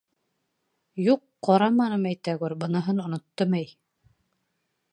— Юҡ, ҡараманым, әйтәгүр, быныһын оноттом, әй!